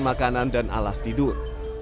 makanan dan alas tidur